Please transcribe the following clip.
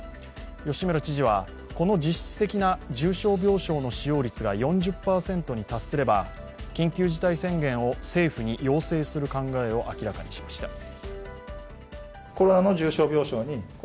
吉村知事は、この実質的な重症病床の使用率が４０％に達すれば、緊急事態宣言を政府に要請する考えを明らかにしました。